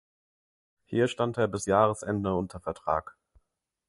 Hier stand er bis Jahresende unter Vertrag.